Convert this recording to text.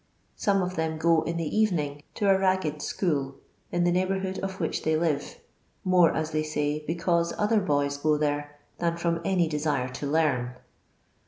Some, of them go, in the evening, to a ragged school, in the neighbourhood of which they live ; more, as they say, because other boys go there, than from any desire to learn.